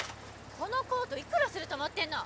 このコート幾らすると思ってんの！